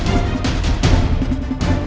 jangan jangan jangan jangan